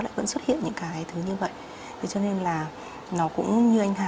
lại vẫn xuất hiện những cái thứ như vậy cho nên là nó cũng như anh hà